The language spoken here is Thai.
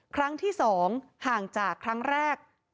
ครั้งที่๒ห่างจากครั้งแรก